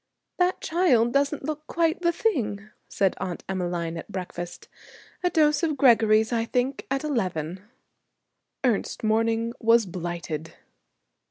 'That child doesn't look quite the thing,' said Aunt Emmeline at breakfast. 'A dose of Gregory's, I think, at eleven.' Ernest's morning was blighted.